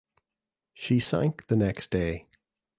She sank the next day.